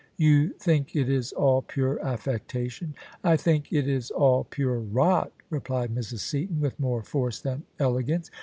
" You think it is all pure affectation? "" I think it is all pure rot," replied Mrs. Seaton with more force than elegance.